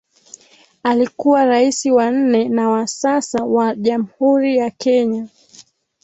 Alikuwa raisi wa nne na wa sasa wa Jamhuri ya Kenya